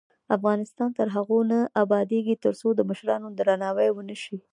افغانستان تر هغو نه ابادیږي، ترڅو د مشرانو درناوی ونشي.